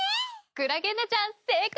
クラゲーナちゃん正解！